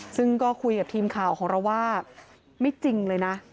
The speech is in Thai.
ซึ่งก็คุยกับทีมข่าวของเราว่าไม่จริงเลยนะ